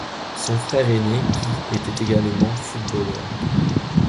Son frère aîné, Guy, était également footballeur.